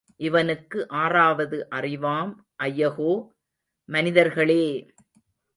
இவனுக்கு ஆறாவது அறிவாம் ஐயகோ, மனிதர்களே!